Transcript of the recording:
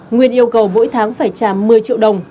nguyên yêu cầu mỗi tháng phải trả một mươi triệu đồng